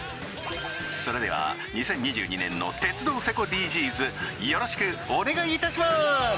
それでは２０２２年の鉄道セコＤＧｓよろしくお願いいたします